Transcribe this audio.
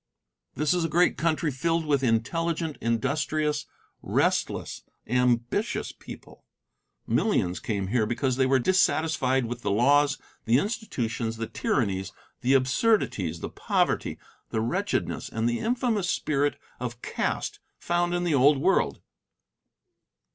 This is a great country filled with intelligent, industrious, restless, ambitious people. Millions came here because they were dissatisfied with the laws, the institutions, the tyrannies, the absurdities, the poverty, the wretchedness and the infamous spirit of caste found in the Old World.